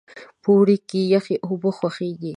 په اوړي کې یخې اوبه خوښیږي.